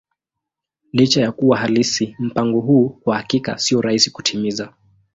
Licha ya kuwa halisi, mpango huu kwa hakika sio rahisi kutimiza.